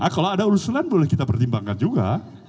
kalau ada usulan boleh kita pertimbangkan juga